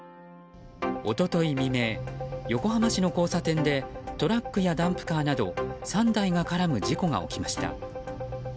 一昨日未明、横浜市の交差点でトラックやダンプカーなど３台が絡む事故が起きました。